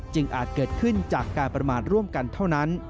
อาจเกิดขึ้นจากการประมาทร่วมกันเท่านั้น